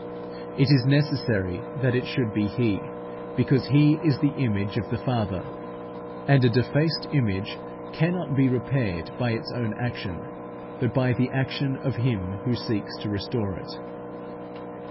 It was necessary that it should be He, because He is the image of the Father; and a defaced image cannot be repaired by its own action, but by the action of him who seeks to restore it.